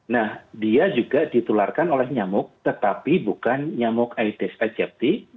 nah dia juga ditularkan oleh nyamuk tetapi bukan nyamuk aedes aegypti